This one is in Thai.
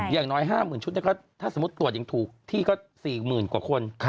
อย่างน้อย๕๐๐๐ชุดถ้าสมมุติตรวจยังถูกที่ก็๔๐๐๐กว่าคน